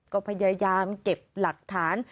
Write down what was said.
ก็พยายามเก็บหลักฐาน